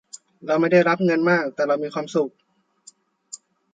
เราไม่ได้รับเงินมาก แต่เรามีความสุข